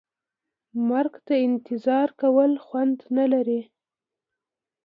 مرګ ته انتظار کول خوند نه لري.